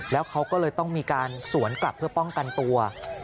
แล้วเขาก็เลยต้องมีการสวนกลับเพื่อป้องกันตัว